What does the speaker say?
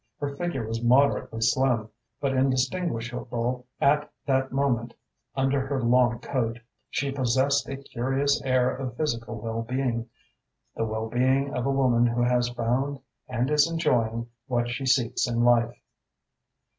Her figure was moderately slim, but indistinguishable at that moment under her long coat. She possessed a curious air of physical well being, the well being of a woman who has found and is enjoying what she seeks in life.